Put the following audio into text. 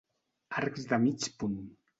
Arcs de mig punt.